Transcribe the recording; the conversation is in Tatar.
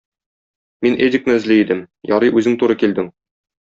Мин Эдикны эзли идем, ярый үзең туры килдең.